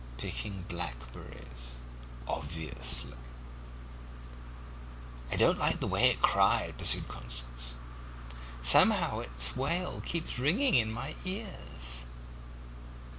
"'Picking blackberries. Obviously.' "'I don't like the way it cried,' pursued Constance; 'somehow its wail keeps ringing in my ears.'